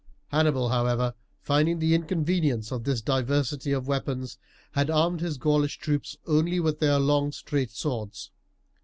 Hannibal, however, finding the inconvenience of this diversity of weapons, had armed his Gaulish troops only with their long straight swords.